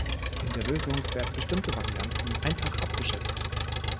In der Lösung werden bestimmte Varianten einfach abgeschätzt.